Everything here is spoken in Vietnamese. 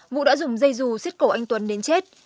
ngũ đã dùng dây dù xiết cổ anh tuấn đến chết